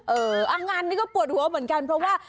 งานนี้ก็ปวดหัวเหมือนกันเพราะว่า